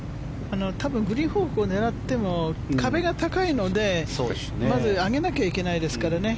多分グリーン方向を狙っても壁が高いのでまず上げなきゃいけないですからね。